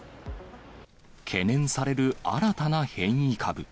懸念される新たな変異株。